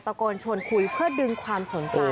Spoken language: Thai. โกนชวนคุยเพื่อดึงความสนใจ